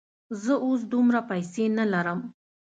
زه اوس دومره پیسې نه لرم.